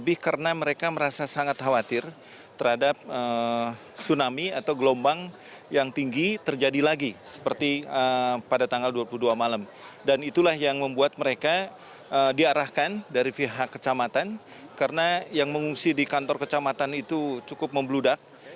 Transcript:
bersama saya ratu nabila